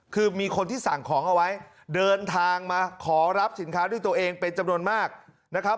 คือมีคนที่สั่งของเอาไว้เดินทางมาขอรับสินค้าด้วยตัวเองเป็นจำนวนมากนะครับ